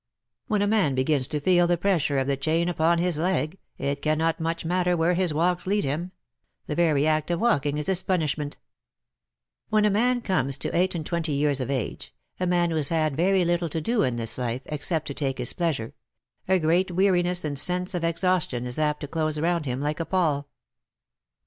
When a man 38 BUT THEN CAME ONE, begins to feel the pressure of the chain upon his leg, it cannot much matter where his walks lead him : the very act of walking is his punishment/' When a man comes to eight and twenty years of age — a man who has had very little to do in this life, except take his pleasure — a great weariness and sense of exhaustion is apt to close round him like a pall.